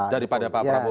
daripada pak prabowo